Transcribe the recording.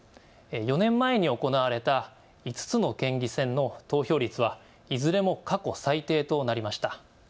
４年前に行われた５つの県議選の投票率はいずれも過去最低となりました。